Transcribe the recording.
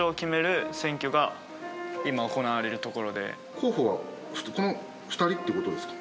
候補はこの２人ってことですか？